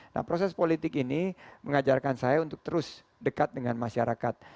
nah proses politik ini mengajarkan saya untuk terus dekat dengan masyarakat